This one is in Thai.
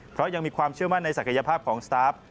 เพราะยังมีความเชื่อมั่นในศักยภาพของสตาร์ฟ